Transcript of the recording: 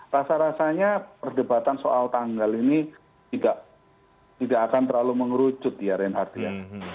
rasa rasanya perdebatan soal tanggal ini tidak akan terlalu mengerucut ya reinhardt ya